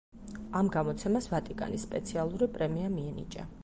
ამ გამოცემას ვატიკანის სპეციალური პრემია მიენიჭა.